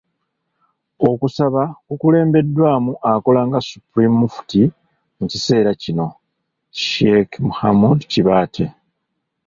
Okusaba kukulembeddwamu akola nga Supreme Mufti mu kiseera kino, Sheikh Muhamood Kibaate.